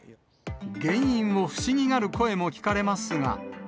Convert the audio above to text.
原因を不思議がる声も聞かれますが。